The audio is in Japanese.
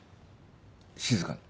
静かに。